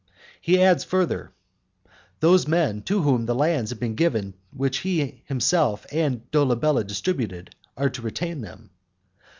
He adds further, "Those men to whom the lands have been given which he himself and Dolabella distributed, are to retain them."